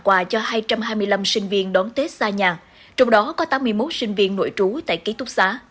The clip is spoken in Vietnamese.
quà cho hai trăm hai mươi năm sinh viên đón tết xa nhà trong đó có tám mươi một sinh viên nội trú tại ký túc xá